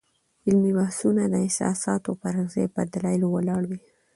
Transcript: علمي بحثونه د احساساتو پر ځای په دلایلو ولاړ وي.